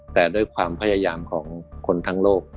แต่ด้วยความพยายามของคนทั้งโลก